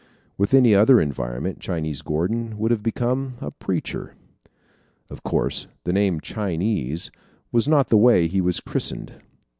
With any other environment Chinese Gordon would have become a preacher. Of course, the name "Chinese," was not the way he was christened.